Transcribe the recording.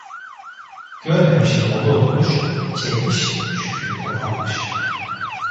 Görmemişin oğlu olmuş, çekmiş çükünü koparmış.